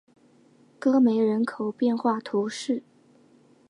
戈梅人口变化图示